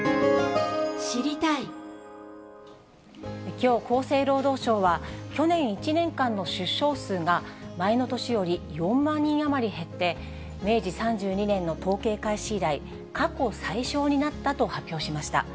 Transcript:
きょう、厚生労働省は、去年１年間の出生数が前の年より４万人余り減って、明治３２年の統計開始以来、過去最少になったと発表しました。